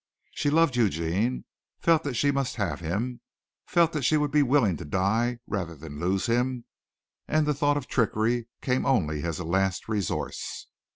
She loved Eugene, felt that she must have him, felt that she would be willing to die rather than lose him and the thought of trickery came only as a last resource.